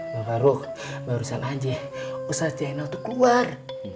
bang faruk barusan anje ustadz zainal tuh keluar